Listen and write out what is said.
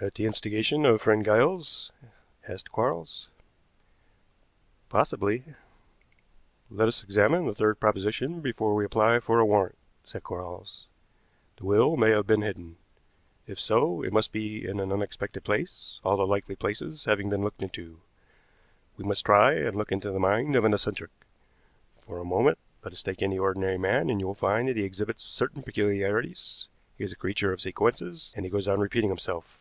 "At the instigation of friend Giles?" asked Quarles. "Possibly." "Let us examine the third proposition before we apply for a warrant," said Quarles. "The will may have been hidden. If so, it must be in an unexpected place, all the likely places having been looked into. We must try and look into the mind of an eccentric. For a moment let us take any ordinary man, and you will find that he exhibits certain peculiarities. He is a creature of sequences, and he goes on repeating himself.